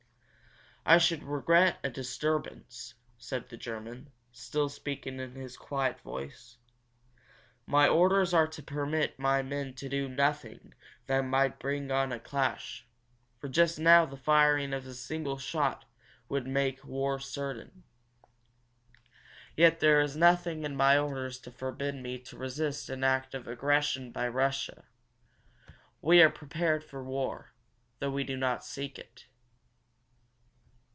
"I should regret a disturbance," said the German, still speaking in his quiet voice. "My orders are to permit my men to do nothing that might bring on a clash, for just now the firing of a single shot would make war certain. Yet there is nothing in my orders to forbid me to resist an act of aggression by Russia. We are prepared for war, though we do not seek it."